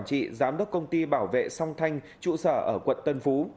phan nguyễn duy thanh giám đốc công ty bảo vệ song thanh trụ sở ở quận tân phú